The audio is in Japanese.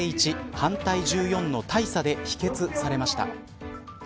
１、反対１４の大差で否決されました。